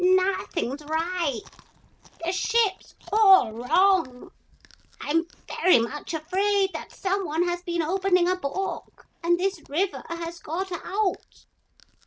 Nothing's right. The ship's all wrong. I'm very much afraid some one has been opening a book and this river has got out.'